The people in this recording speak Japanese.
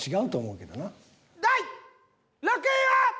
第６位は！？